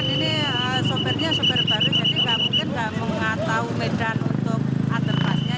ini sopirnya sopir baru jadi nggak mungkin nggak mengatau medan untuk underpassnya